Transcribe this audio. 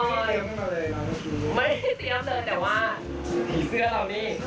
แต่ว่าถี่เสื้อเรานี่